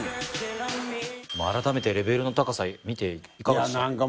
改めてレベルの高さ見ていかがでしたか？